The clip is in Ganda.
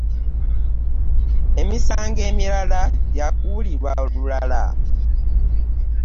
Emisango emirala gya kuwulirwa lulala.